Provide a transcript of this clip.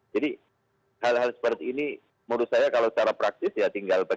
jadi hal hal seperti ini menurut saya kalau secara praktis ya tinggal bagi bagi